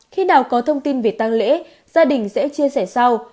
khi nào có thông tin về tăng lễ gia đình sẽ chia sẻ sau